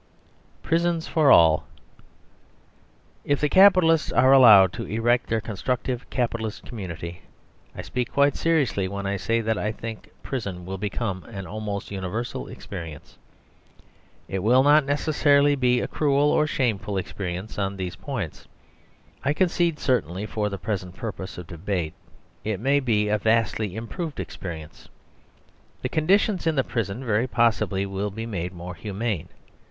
Prisons for All If the capitalists are allowed to erect their constructive capitalist community, I speak quite seriously when I say that I think Prison will become an almost universal experience. It will not necessarily be a cruel or shameful experience: on these points (I concede certainly for the present purpose of debate) it may be a vastly improved experience. The conditions in the prison, very possibly, will be made more humane.